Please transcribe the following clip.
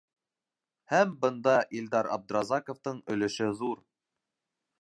Һәм бында Илдар Абдразаҡовтың өлөшө ҙур.